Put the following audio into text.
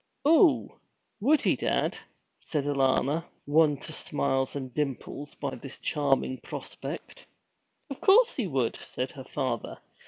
'Oo would he, dad?' said Alanna, won to smiles and dimples by this charming prospect. 'Of course he would!' said her father.